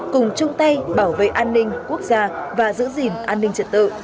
cùng chung tay bảo vệ an ninh quốc gia và giữ gìn an ninh trật tự